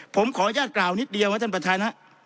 ผมขออนุญาตกล่าวนิดเดียวนะท่านประธานฮะ